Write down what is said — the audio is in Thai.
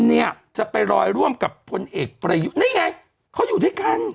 เนี่ยจะไปรอยร่วมกับพลเอกประยุทธ์นี่ไงเขาอยู่ด้วยกัน